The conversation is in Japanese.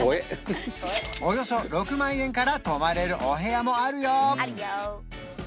およそ６万円から泊まれるお部屋もあるよ